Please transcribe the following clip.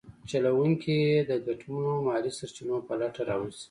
چلونکي یې د ګټمنو مالي سرچینو په لټه راوځي.